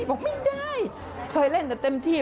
บอกไม่ได้เคยเล่นแต่เต็มที่